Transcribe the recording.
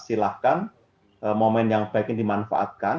silahkan momen yang baik ini dimanfaatkan